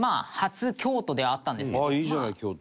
ああいいじゃない京都。